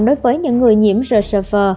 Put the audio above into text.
đối với những người nhiễm rsv